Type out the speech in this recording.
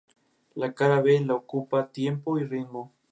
Burton regresó a Monterrey con su mando y los mexicanos evacuados.